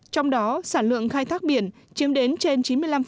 trong đó sản lượng khai thác biển chiếm đến trên chín mươi năm